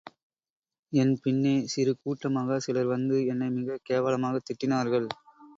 என் பின்னே சிறு கூட்டமாகச் சிலர் வந்து என்னை மிகக் கேவலமாகத் திட்டினார்கள்.